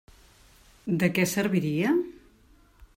De què serviria?